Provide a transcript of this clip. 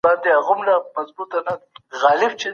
د ناروغ پوره درملنه بايد په وخت سره ترسره سي.